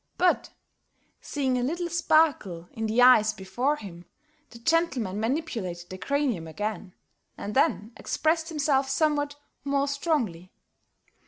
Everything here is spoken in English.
But, seeing a little sparkle in the eyes before him, the gentleman manipulated the cranium again, and then expressed himself somewhat more strongly.